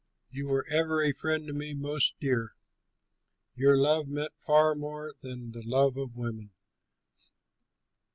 You were ever a friend to me most dear, Your love meant far more than the love of women!